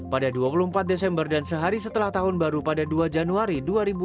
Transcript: pada dua puluh empat desember dan sehari setelah tahun baru pada dua januari dua ribu dua puluh